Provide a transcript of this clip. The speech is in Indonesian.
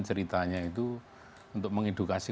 ceritanya itu untuk